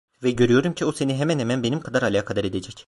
Ve görüyorum ki o seni hemen hemen benim kadar alakadar edecek…